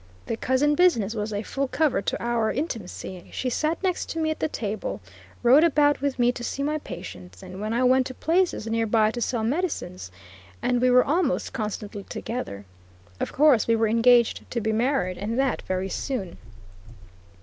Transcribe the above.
The cousin business was a full cover to our intimacy; she sat next to me at the table, rode about with me to see my patients, and when I went to places near by to sell medicine, and we were almost constantly together. Of course, we were engaged to be married, and that very soon.